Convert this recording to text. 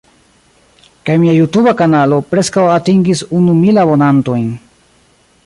Kaj mia Jutuba kanalo preskaŭ atingis unu mil abonantojn.